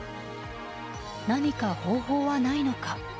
何か方法はないのか。